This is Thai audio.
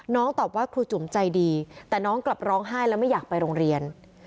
ตอบว่าครูจุ๋มใจดีแต่น้องกลับร้องไห้แล้วไม่อยากไปโรงเรียน